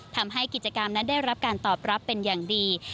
ทำให้กิจกรรมนั้นได้รับการตอบรับเป็นอย่างดี